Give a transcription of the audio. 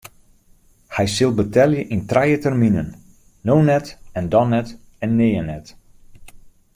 Hy sil betelje yn trije terminen: no net en dan net en nea net.